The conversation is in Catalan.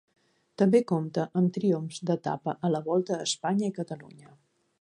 També compte amb triomfs d'etapa a la Volta a Espanya i Catalunya.